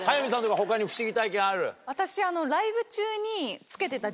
私。